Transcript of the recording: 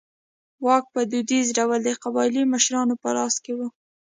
واک په دودیز ډول د قبایلي مشرانو په لاس کې و.